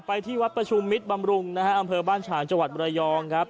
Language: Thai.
ไปที่วัดประชุมมิตรบำรุงอำเภอบาลฉานจัวรรดิ์รอยองครับ